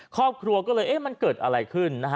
ครอบครัวก็เลยมันเกิดอะไรขึ้น